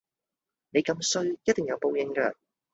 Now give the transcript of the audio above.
你咁衰一定有報應架！